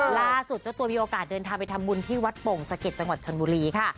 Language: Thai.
เจ้าตัวมีโอกาสเดินทางไปทำบุญที่วัดโป่งสะเก็ดจังหวัดชนบุรีค่ะ